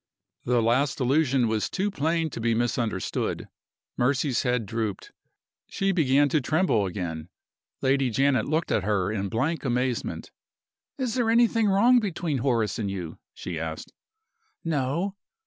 The last allusion was too plain to be misunderstood. Mercy's head drooped. She began to tremble again. Lady Janet looked at her in blank amazement. "Is there anything wrong between Horace and you?" she asked. "No."